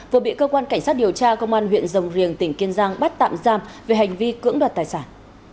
vừa bị cơ quan cảnh sát điều tra công an huyện rồng riềng tỉnh kiên giang bắt tạm giam về hành vi cưỡng đoạt tài sản